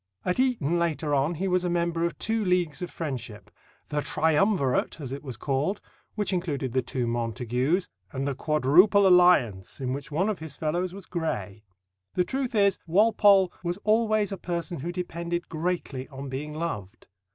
At Eton later on he was a member of two leagues of friendship the "Triumvirate," as it was called, which included the two Montagus, and the "Quadruple Alliance," in which one of his fellows was Gray. The truth is, Walpole was always a person who depended greatly on being loved.